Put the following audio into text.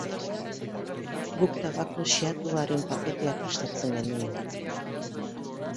Guk tabako xehatuaren paketea prestatzen genuen.